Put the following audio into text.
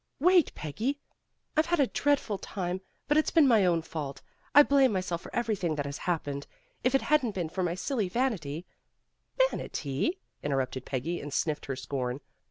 "Wait, Peggy! I've had a dreadful time, but it's been my own fault. I blame myself for everything that has happened. If it hadn't been for my silly vanity " "Vanity" interrupted Peggy, and sniffed her scorn.